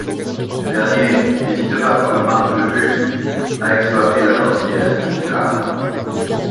Ce dernier n'hésite pas, comme Marc Lebut, à exploiter la gentillesse de Goular.